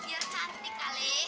biar cantik alik